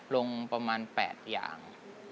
ลงประมาณ๘อย่าง